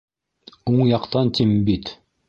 Уң яҡтан, тим бит!